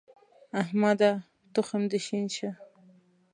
احمده! تخم دې شين شه.